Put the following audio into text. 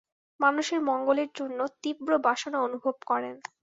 মানুষের মঙ্গলের জন্যে তীব্র বাসনা অনুভব করেন।